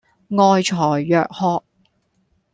愛才若渴